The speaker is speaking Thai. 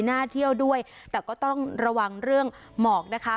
น่าเป็นเรื่องด้วยแต่ก็ต้องระวังเรื่องหมอกนะคะ